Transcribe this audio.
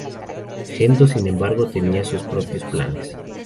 Gendo, sin embargo, tenía sus propios planes.